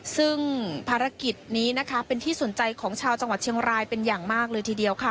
ซึ่งภารกิจนี้นะคะเป็นที่สนใจของชาวจังหวัดเชียงรายเป็นอย่างมากเลยทีเดียวค่ะ